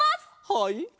はい。